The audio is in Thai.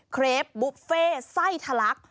เครปบุฟเฟ่ไส้ทะลัก